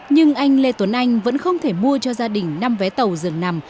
nhưng anh lê tuấn anh vẫn không thể mua cho gia đình năm vé tàu dường nằm